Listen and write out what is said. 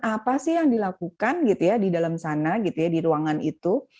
apa sih yang dilakukan di dalam sana di ruangan itu